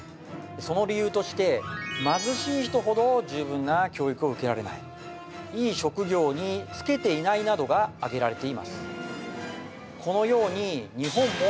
その理由として貧しい人ほど十分な教育を受けられないいい職業に就けていないなどが挙げられています